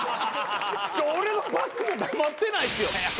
俺のバックも黙ってないですよ。